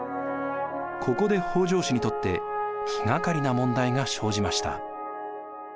ここで北条氏にとって気がかりな問題が生じました。